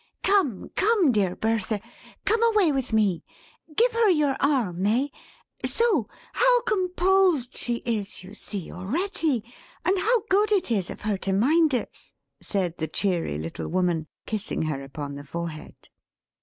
"Come come, dear Bertha! come away with me! Give her your arm, May. So! How composed she is, you see, already; and how good it is of her to mind us," said the cheery little woman, kissing her upon the forehead.